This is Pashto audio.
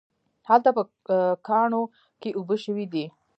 هلته په کاڼو کې اوبه شوي دي